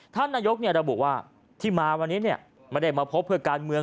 ท่านนายกระบุว่าที่มาวันนี้ไม่ได้มาพบเพื่อการเมือง